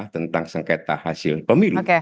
tentang sengketa hasil pemilu